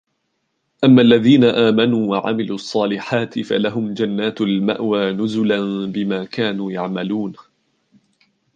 أَمَّا الَّذِينَ آمَنُوا وَعَمِلُوا الصَّالِحَاتِ فَلَهُمْ جَنَّاتُ الْمَأْوَى نُزُلًا بِمَا كَانُوا يَعْمَلُونَ